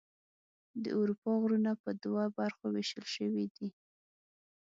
د اروپا غرونه په دوه برخو ویشل شوي دي.